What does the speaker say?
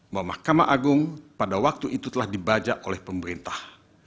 bahwa mahkamah agung pada waktu itu telah dibajak oleh pemerintah